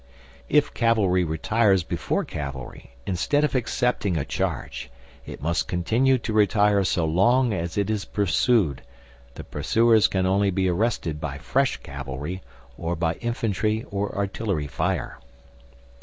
If cavalry retires before cavalry instead of accepting a charge, it must continue to retire so long as it is pursued the pursuers can only be arrested by fresh cavalry or by infantry or artillery fire.